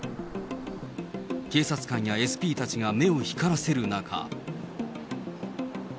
警察官やＳＰたちが目を光らせる中。